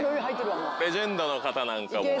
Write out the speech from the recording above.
レジェンドの方なんかも。